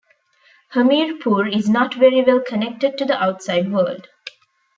Hamirpur is not very well connected to the outside world.